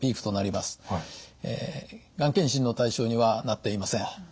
がん検診の対象にはなっていません。